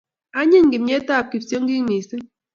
Anyiny kimnyetap kipsiongik mising